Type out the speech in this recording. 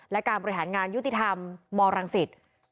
และการบริหารงานยุติธรรมมรังสิต